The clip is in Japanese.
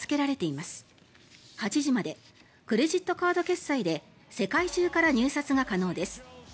オークションは２１日午後８時までクレジットカード決済で世界中から入札が可能です。